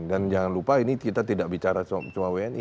dan jangan lupa ini kita tidak bicara soal wni